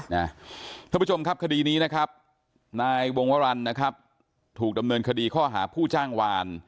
ท่านผู้ชมครับคดีนี้นะครับนายวงวรรณนะครับถูกดำเนินคดีข้อหาผู้จ้างวาน